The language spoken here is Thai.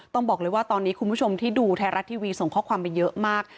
ต้องบอกเลยว่าตอนนี้คุณผู้ชมที่ดูไทยรัฐทีวีส่งข้อความมาเยอะมาก